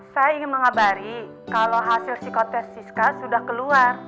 saya ingin mengabari kalau hasil psikotest siska sudah keluar